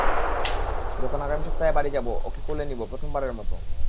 যখন আগামী সপ্তাহে বাড়ি যাব, ওকে কোলে নিব, প্রথমবারের মতো।